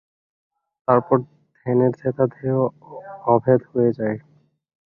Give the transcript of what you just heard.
তারপর ধ্যানের ধ্যাতা ধ্যেয় অভেদ হয়ে যায়।